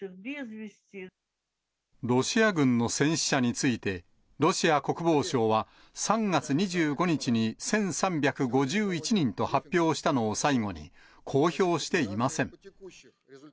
ロシア軍の戦死者について、ロシア国防省は３月２５日に１３５１人と発表したのを最後に、公表していません。